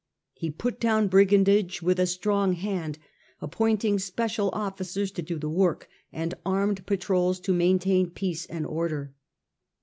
He put down brigandage with a strong It seen ed appointing special officers to do the the roads work and armed patrols to maintain peace and seas, Order.